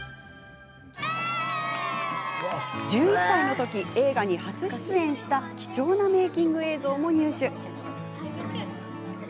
１１歳のとき、映画に初出演した貴重なメーキング映像も入手。